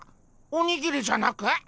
おにぎりじゃなく？